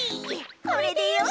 これでよし。